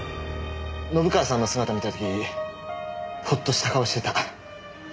信川の姿を見た時ホッとした顔してた。